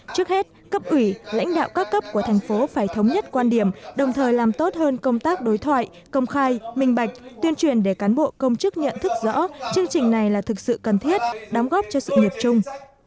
trước hết cấp ủy lãnh đạo các cấp của thành phố phải thống nhất quan điểm đồng thời làm tốt hơn công tác đối thoại công khai minh bạch tuyên truyền để cán bộ công chức nhận thức rõ chương trình này là thực sự cần thiết đóng góp cho sự nghiệp chung